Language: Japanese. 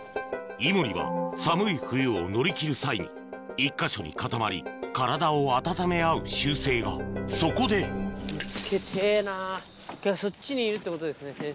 イモリは寒い冬を乗り切る際に１か所に固まり体をあたため合う習性がそこで見つけてぇなそっちにいるってことですね。